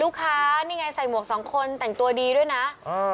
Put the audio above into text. นี่ไงใส่หมวกสองคนแต่งตัวดีด้วยนะเออ